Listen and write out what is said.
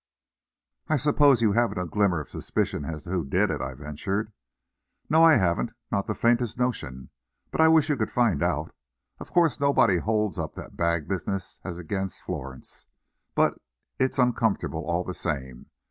"I suppose you haven't a glimmer of a suspicion as to who did it," I ventured. "No, I haven't. Not the faintest notion. But I wish you could find out. Of course, nobody holds up that bag business as against Florence, but it's uncomfortable all the same.